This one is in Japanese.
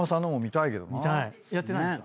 やってないんですか？